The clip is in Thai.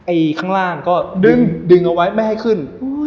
ข้างล่างก็ดึงเอาไว้ไม่ให้ขึ้น